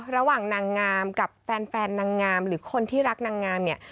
ระหว่างนางงามกับแฟนนางงามหรือคนที่รักนางงามเนี่ย